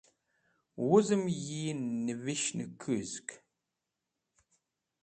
Wuzem yi Niveshnekuzg.